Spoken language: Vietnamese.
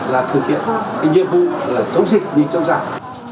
là thực hiện cái nhiệm vụ là chống dịch đi chống dạng